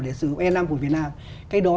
để sử dụng e năm của việt nam cái đó